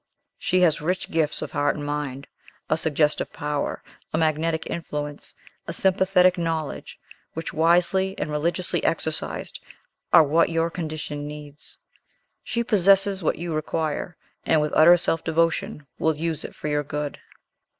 She has rich gifts of heart and mind, a suggestive power, a magnetic influence, a sympathetic knowledge, which, wisely and religiously exercised, are what your condition needs. She possesses what you require, and, with utter self devotion, will use it for your good.